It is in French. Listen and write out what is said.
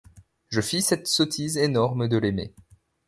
Je fis cette sottise énorme de l'aimer ;